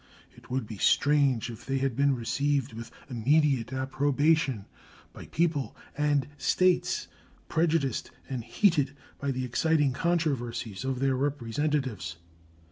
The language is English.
It would be strange if they had been received with immediate approbation by people and States prejudiced and heated by the exciting controversies of their representatives.